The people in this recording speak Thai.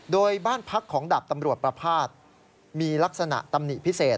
โดยบ้านพักของดาบตำรวจประพาทมีลักษณะตำหนิพิเศษ